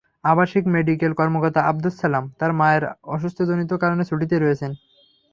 আবাসিক মেডিকেল কর্মকর্তা আবদুস সালাম তাঁর মায়ের অসুস্থতাজনিত কারণে ছুটিতে রয়েছেন।